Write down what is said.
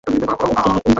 হ্যাঁ, চেষ্টা করব।